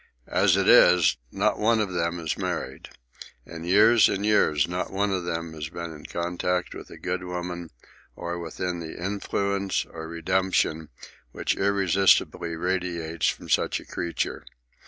As it is, not one of them is married. In years and years not one of them has been in contact with a good woman, or within the influence, or redemption, which irresistibly radiates from such a creature.